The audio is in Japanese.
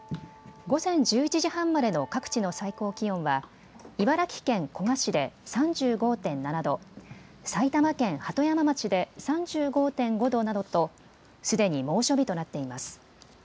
午前１１時半までの各地の最高気温は茨城県古河市で３５．７度、埼玉県鳩山町で３５．５度などとすでに猛暑日となっています。